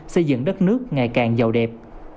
xây dựng đất nước ngày càng giàu đẹp